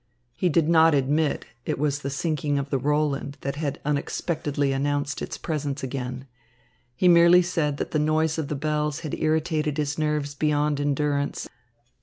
He did not admit it was the sinking of the Roland that had unexpectedly announced its presence again. He merely said that the noise of the bells had irritated his nerves beyond endurance.